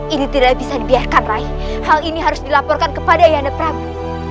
ini tidak bisa dibiarkan rai hal ini harus dilaporkan kepada yana prabu